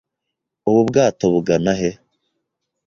Ubu bwato bugana he?